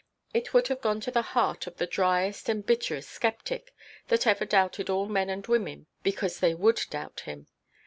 It would have gone to the heart of the driest and bitterest sceptic that ever doubted all men and women because they would doubt him.